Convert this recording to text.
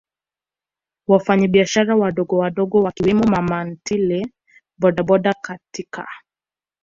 wafanyabiashara wadogowadogo Wakiwemo mamantilie bodaboda katika